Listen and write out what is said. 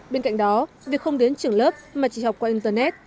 bên cạnh đó việc không đến trường lớp mà chỉ học qua internet